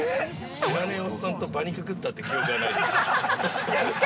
◆知らねーおっさんと馬肉食ったっていう記憶はないですか？